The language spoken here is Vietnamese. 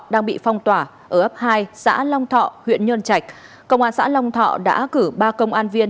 đang bị phong tỏa ở ấp hai xã long thọ huyện nhơn trạch công an xã long thọ đã cử ba công an viên